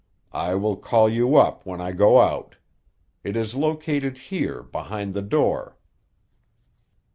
I will call you up when I go out. It is located here, behind the door."